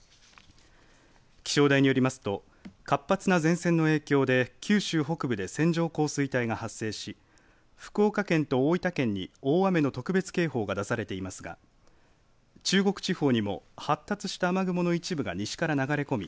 気象台によりますと活発な前線の影響で九州北部で線状降水帯が発生し福岡県と大分県に大雨の特別警報が出されていますが中国地方にも発達した雨雲の一部が西から流れ込み